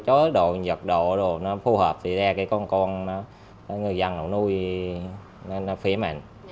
cho đồ vật đồ đồ nó phù hợp thì ra cái con con người dân nó nuôi nó phí mạnh